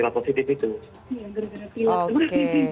oke baik nah ini kan sudah lima hari lagi